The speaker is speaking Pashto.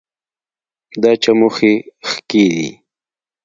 دا چموښي ښکي دي